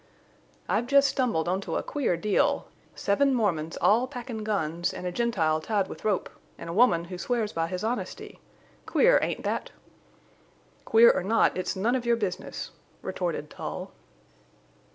"I've lest stumbled onto a queer deal. Seven Mormons all packin' guns, an' a Gentile tied with a rope, an' a woman who swears by his honesty! Queer, ain't that?" "Queer or not, it's none of your business," retorted Tull.